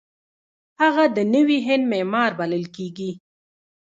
هغه د نوي هند معمار بلل کیږي.